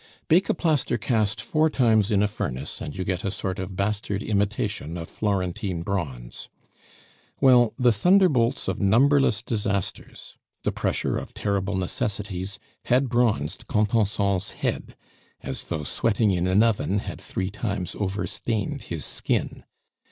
Bake a plaster cast four times in a furnace, and you get a sort of bastard imitation of Florentine bronze. Well, the thunderbolts of numberless disasters, the pressure of terrible necessities, had bronzed Contenson's head, as though sweating in an oven had three times over stained his skin.